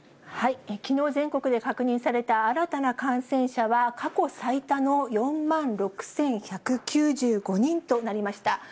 きのう、全国で確認された新たな感染者は、過去最多の４万６１９５人となりました。